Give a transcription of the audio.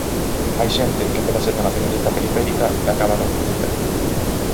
Hai xente que empeza sendo nacionalista periférica e acaba no outro extremo.